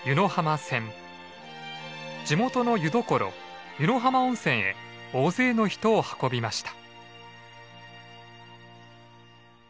地元の湯どころ湯野浜温泉へ大勢の人を運びました。